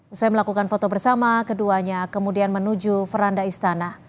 usai melakukan foto bersama keduanya kemudian menuju peranda istana